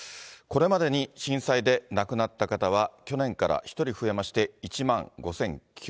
これまでに震災で亡くなった方は、去年から１人増えまして、１万５９００人。